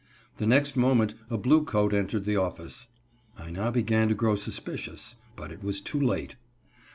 The next moment a blue coat entered the office. I now began to grow suspicious, but it was too late.